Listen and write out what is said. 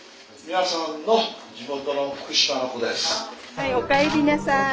はいおかえりなさい。